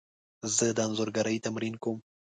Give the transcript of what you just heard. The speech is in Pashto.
زه د انځورګري تمرین کوم.